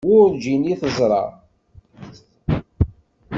Werǧin i t-teẓra.